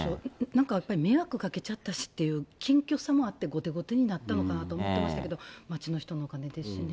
なんかやっぱり、迷惑かけちゃったしっていう謙虚さもあって後手後手になったのかなと思ってましたけれども、町の人も。